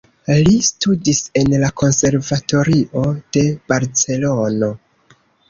Li studis en la Konservatorio de Barcelono.